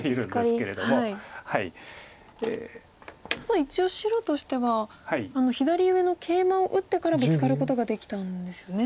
あと一応白としては左上のケイマを打ってからブツカることができたんですよね。